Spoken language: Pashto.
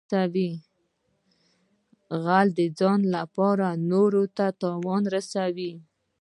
غل د ځان لپاره نورو ته تاوان رسوي